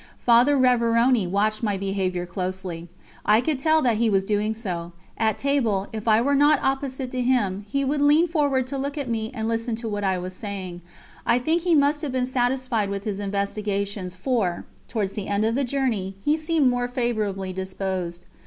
Father Révérony watched my behaviour closely. I could tell that he was doing so; at table, if I were not opposite to him, he would lean forward to look at me and listen to what I was saying. I think he must have been satisfied with his investigations, for, towards the end of the journey, he seemed more favourably disposed.